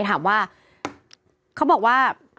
ถามว่าเขาบอกว่า